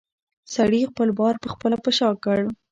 سړي خپل بار پخپله په شا کړ.